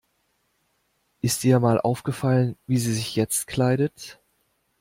Ist dir mal aufgefallen, wie sie sich jetzt kleidet?